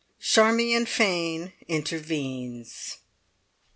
CHARMION FANE INTERVENES.